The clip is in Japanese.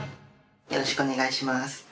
よろしくお願いします。